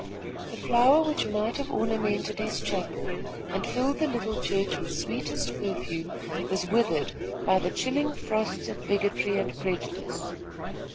The flower which might have ornamented his chapel and filled the little church with sweetest perfume was withered by the chilling frosts of bigotry and prejudice.